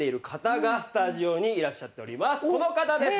この方です。